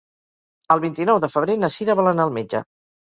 El vint-i-nou de febrer na Cira vol anar al metge.